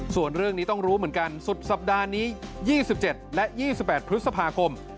ส่วนเรื่องนี้ต้องรู้เหมือนกันสุดสัปดาห์นี้๒๗และ๒๘พฤษภาคม